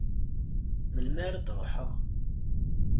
Melmi ara d-ruḥeɣ?